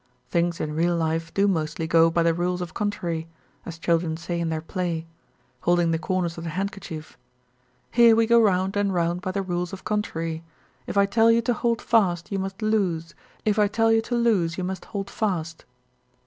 Things in real life do mostly go by the rules of contrary, as children say in their play, holding the corners of the handkerchief, "Here we go round and round by the rules of contrary; if I tell you to hold fast, you must loose; if I tell you to loose, you must hold fast."